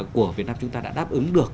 của việt nam chúng ta đã đáp ứng được